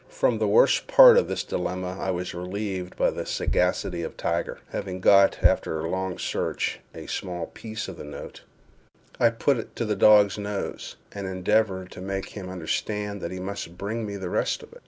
From the worst part of this dilemma I was relieved by the sagacity of Tiger. Having got, after a long search, a small piece of the note, I put it to the dog's nose, and endeavored to make him understand that he must bring me the rest of it.